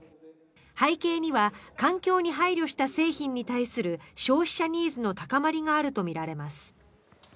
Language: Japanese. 背景には環境に配慮した製品に対する消費者ニーズの高まりがあるとみられます。